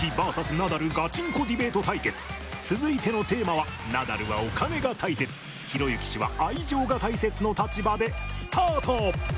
ナダルガチンコディベート対決続いてのテーマはナダルはお金が大切ひろゆき氏は愛情が大切の立場でスタート！